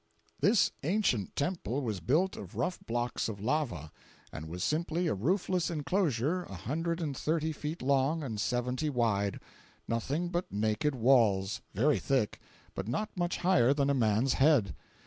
This ancient temple was built of rough blocks of lava, and was simply a roofless inclosure a hundred and thirty feet long and seventy wide—nothing but naked walls, very thick, but not much higher than a man's head.